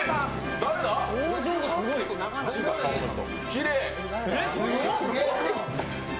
きれい。